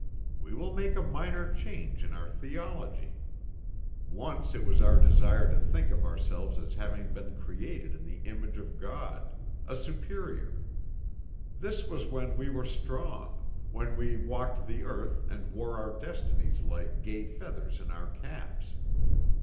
We will make a minor change in our theology. Once it was our desire to think of ourselves as having been created in the image of God a Superior. This was when we were strong, when we walked the earth and wore our destinies like gay feathers in our caps.